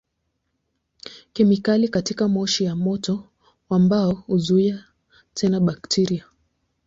Kemikali katika moshi wa moto wa mbao huzuia tena bakteria.